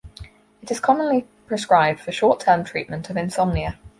It is commonly prescribed for short-term treatment of insomnia.